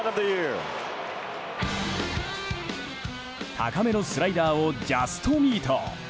高めのスライダーをジャストミート！